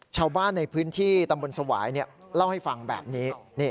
ชาวบ้านในพื้นที่ตำบลสวายเล่าให้ฟังแบบนี้